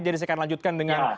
jadi saya akan lanjutkan dengan